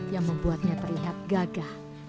yang membuatnya terlihat gagah